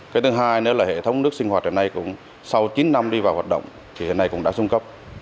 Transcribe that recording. cái thứ hai nữa là hệ thống nước sinh hoạt hiện nay cũng sau chín năm đi vào hoạt động thì hiện nay cũng đã xuống cấp